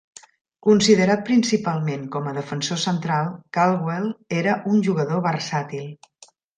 Considerat principalment com a defensor central, Caldwell era un jugador versàtil.